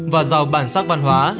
và giàu bản sắc văn hóa